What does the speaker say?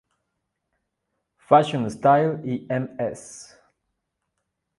Fashion Style y Ms.